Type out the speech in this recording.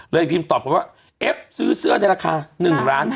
เลยพิมพ์ตอบกันว่าเอ๊ะซื้อเสื้อในราคา๑๕๐๐๐๐๐บาท